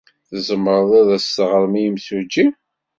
Tzemrem ad as-teɣrem i yimsujji?